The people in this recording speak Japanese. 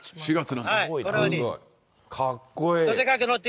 かっこいい。